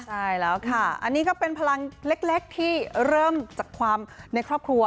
ใช่แล้วค่ะอันนี้ก็เป็นพลังเล็กที่เริ่มจากความในครอบครัว